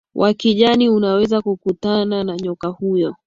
wa kijani unaweza ukakutana na nyoka huyo